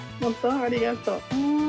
ありがとう。